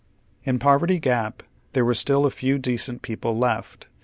In Poverty Gap there were still a few decent people ]ef t.